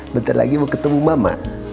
bentar lagi mau ketemu mama